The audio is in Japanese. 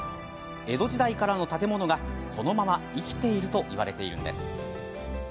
江戸時代からの建物がそのまま生きているといわれているんです。